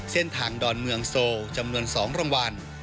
เส้นทางดอนเมืองโซลจำนวน๒รางวัล